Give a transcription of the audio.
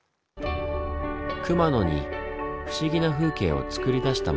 熊野に不思議な風景をつくり出したもの。